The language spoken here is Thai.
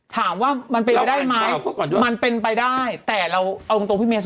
ถามว่ามันเป็นไปได้ไหม